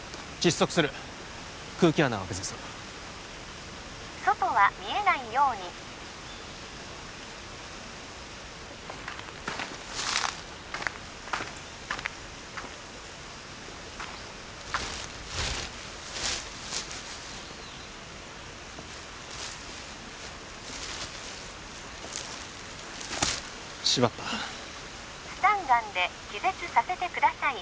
窒息する空気穴を開けさせろ外は見えないように縛ったスタンガンで気絶させてください